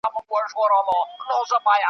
په ریاکاره ناانسانه ژبه .